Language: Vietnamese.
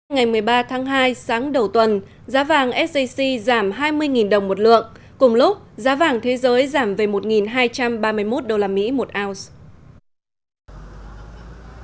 ngày một mươi ba tháng hai sáng đầu tuần giá vàng sjc giảm hai mươi đồng một lượng cùng lúc giá vàng thế giới giảm về một hai trăm ba mươi một usd một ounce